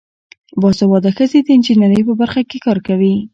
باسواده ښځې د انجینرۍ په برخه کې کار کوي.